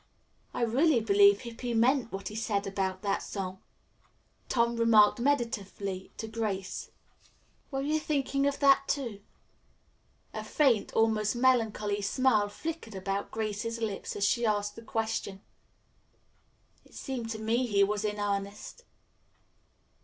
"I really believe Hippy meant what he said about that song," Tom remarked meditatively to Grace. "Were you thinking of that, too?" A faint, almost melancholy smile flickered about Grace's lips as she asked the question. "It seemed to me he was in earnest."